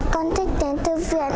con thích đến thư viện